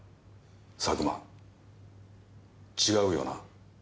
佐久間違うよな？